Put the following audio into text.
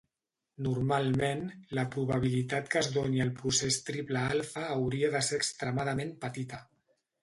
Normalment, la probabilitat que es doni el procés triple alfa hauria de ser extremadament petita.